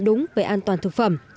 đúng về an toàn thực phẩm